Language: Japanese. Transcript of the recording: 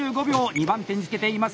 ２番手につけています。